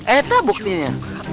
eh itu buktinya